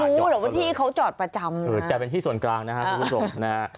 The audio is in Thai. รู้เหรอว่าที่เขาจอดประจำเออแต่เป็นที่ส่วนกลางนะฮะคุณผู้ชมนะฮะ